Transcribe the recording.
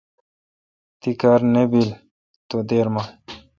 تی کار نہ بیل تو دیرہ من